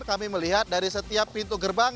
kami melihat dari setiap pintu gerbang